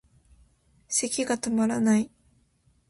咳がとまらない